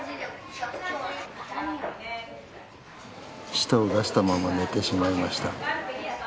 舌を出したまま寝てしまいました。